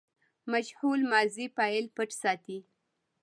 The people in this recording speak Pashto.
مجهول ماضي فاعل پټ ساتي.